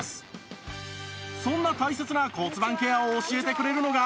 そんな大切な骨盤ケアを教えてくれるのが